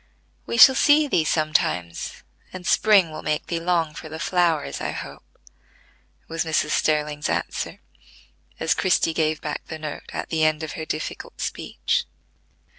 We shall see thee sometimes, and spring will make thee long for the flowers, I hope," was Mrs. Sterling's answer, as Christie gave back the note at the end of her difficult speech.